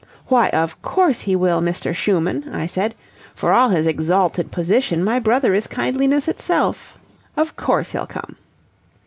'Why, of course he will, Mr. Schumann,' I said. 'For all his exalted position, my brother is kindliness itself. Of course he'll come.'